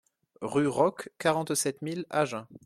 Rue Roques, quarante-sept mille Agen